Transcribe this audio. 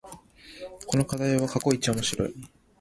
この課題は過去一面白い